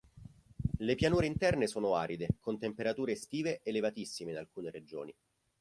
Le pianure interne sono aride, con temperature estive elevatissime in alcune regioni.